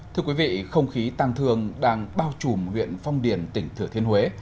thưa quý vị không khí tăng thường đang bao trùm huyện phong điền tỉnh thừa thiên huế